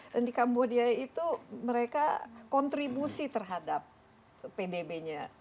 dan di kambodia itu mereka kontribusi terhadap pbb nya